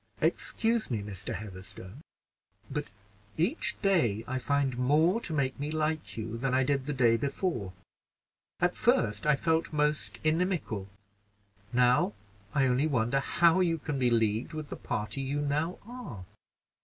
"Excuse me, Mr. Heatherstone, but each day I find more to make me like you than I did the day before; at first I felt most inimical; now I only wonder how you can be leagued with the party you now are."